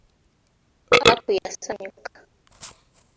Aku yasanyuka.